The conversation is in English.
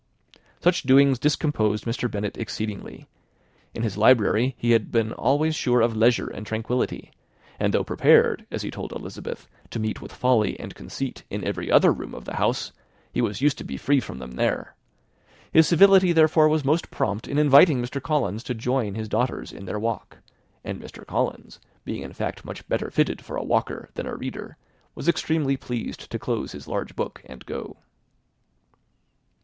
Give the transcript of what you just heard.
Such doings discomposed Mr. Bennet exceedingly. In his library he had been always sure of leisure and tranquillity; and though prepared, as he told Elizabeth, to meet with folly and conceit in every other room in the house, he was used to be free from them there: his civility, therefore, was most prompt in inviting Mr. Collins to join his daughters in their walk; and Mr. Collins, being in fact much better fitted for a walker than a reader, was extremely well pleased to close his large book, and go.